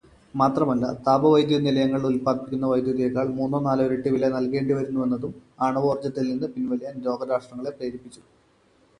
മാത്രമല്ല, താപവൈദ്യുത നിലയങ്ങൾ ഉൽപ്പാദിപ്പിക്കുന്ന വൈദ്യുതിയേക്കാൾ മുന്നോ നാലോ ഇരട്ടി വില നൽകേണ്ടിവരുന്നുവെന്നതും ആണവോർജത്തിൽനിന്ന് പിൻവലിയാൻ ലോകരാഷ്ട്രങ്ങളെ പ്രേരിപ്പിച്ചു.